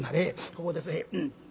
ここです。